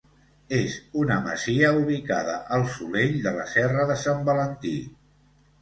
És una masia ubicada al solell de la Serra de Sant Valentí.